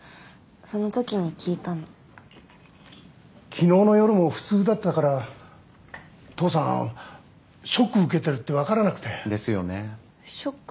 そのときに聞いたの昨日の夜も普通だったから父さんショック受けてるってわからなくてですよねショック？